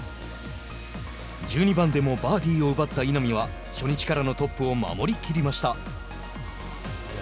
１２番でもバーディーを奪った稲見は初日からトップを守りきりました。